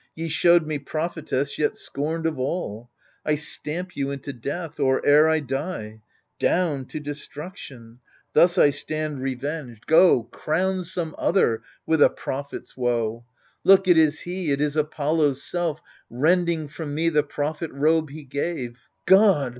Ye showed me prophetess yet scorned of all — I stamp you into death, or e'er I die — Down, to destruction ! Thus I stand revenged — 58 AGAMEMNON Go, crown some other with a prophet's woe. Look ! it is he, it is Apollo's self Rending from me the prophet robe he gave. God